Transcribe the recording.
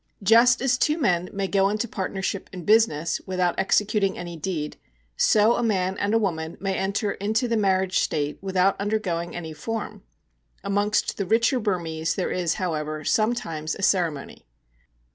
Just as two men may go into partnership in business without executing any deed, so a man and a woman may enter into the marriage state without undergoing any form. Amongst the richer Burmese there is, however, sometimes a ceremony.